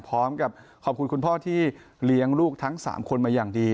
พร้อมกับขอบคุณคุณพ่อที่เลี้ยงลูกทั้ง๓คนมาอย่างดี